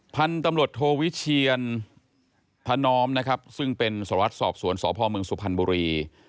พันธุ์ตำรวจโทวิเชียนธนอมนะครับซึ่งเป็นสารวัตรสอบสวนสพมสุพรรณบุรี